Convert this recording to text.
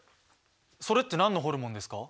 それって何のホルモンですか？